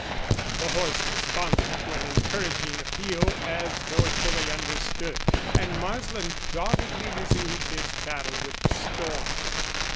The horse responded to an encouraging appeal as though it fully understood, and Marsland doggedly resumed his battle with the storm.